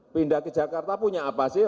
pindah ke jakarta punya apa sih